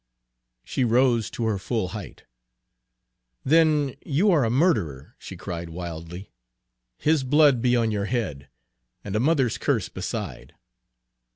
She rose to her full height. "Then you are a murderer," she cried wildly. "His blood be on your head, and a mother's curse beside!"